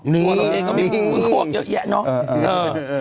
มึงควบเยอะแยะเนาะ